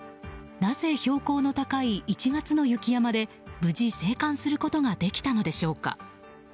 なぜ標高の高い１月の雪山で無事生還することができたのでしょうか。